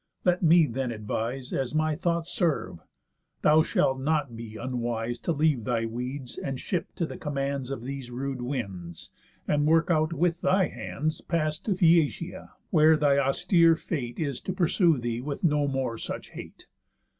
Let me then advise As my thoughts serve; thou shalt not be unwise To leave thy weeds and ship to the commands Of these rude winds, and work out with thy hands Pass to Phæacia, where thy austere Fate Is to pursue thee with no more such hate.